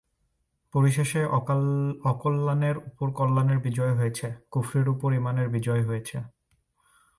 পরিশেষে অকল্যাণের উপর কল্যাণের বিজয় হয়েছে, কুফরীর উপর ঈমানের বিজয় হয়েছে।